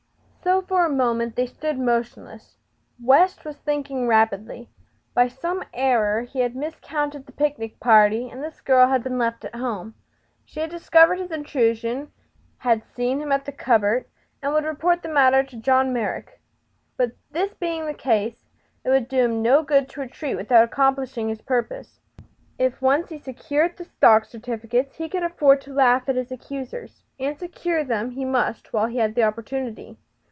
So for a moment they stood motionless. West was thinking rapidly. By some error be had miscounted the picnic party and this girl had been left at home. She had discovered his intrusion, had seen him at the cupboard, and would report the matter to John Merrick. This being the case, it would do him no good to retreat without accomplishing his purpose. If once he secured the stock certificates he could afford to laugh at his accusers, and secure them he must while he had the opportunity.